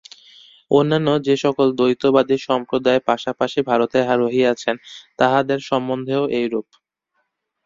অন্যান্য যে-সকল দ্বৈতবাদী সম্প্রদায় পাশাপাশি ভারতে রহিয়াছেন, তাঁহাদের সম্বন্ধেও এইরূপ।